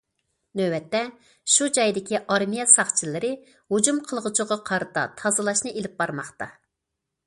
نۆۋەتتە، شۇ جايدىكى ئارمىيە، ساقچىلىرى ھۇجۇم قىلغۇچىغا قارىتا تازىلاشنى ئېلىپ بارماقتا.